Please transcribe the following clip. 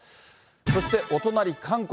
そして、お隣、韓国。